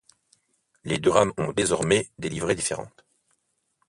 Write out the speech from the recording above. Les deux rames ont désormais des livrées différentes.